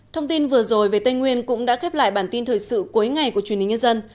thông tin vừa rồi về tây nguyên cũng đã khép lại bản tin thời sự cuối ngày của truyền hình nhân dân